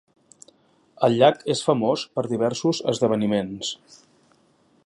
El llac és famós per diversos esdeveniments.